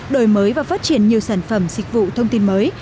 đổi mới và phát triển nhiều sản phẩm dịch vụ thông tin mới